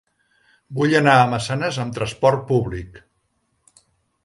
Vull anar a Massanes amb trasport públic.